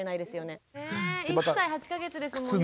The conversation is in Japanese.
ね１歳８か月ですもんね。